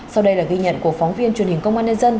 sau đây là ghi nhận của phóng viên truyền hình công an nhân dân